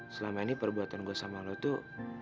selama ini perbuatan gue sama lo tuh